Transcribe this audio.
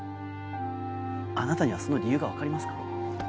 あなたにはその理由が分かりますか？